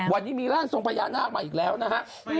วันนี้มีร่างทรงพญานาคมาอีกแล้วนะฮะ